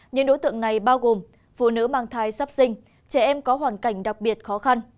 những đối tượng này bao gồm phụ nữ mang thai sắp sinh trẻ em có hoàn cảnh đặc biệt khó khăn